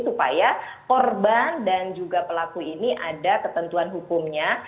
supaya korban dan juga pelaku ini ada ketentuan hukumnya